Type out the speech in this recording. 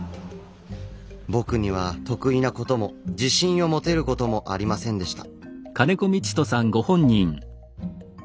僕には得意なことも自信を持てることもありませんでした。